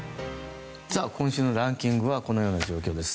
今週のランキングはこのような状況です。